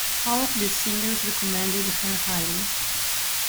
All of these singers recommended her highly.